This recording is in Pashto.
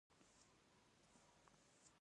لومړي وزیر ماوو وهڅاوه چې دینګ مرستیال وټاکي.